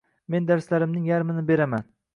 Men darslarimning yarmini beraman.